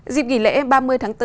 dịp nghỉ lễ ba mươi tháng bốn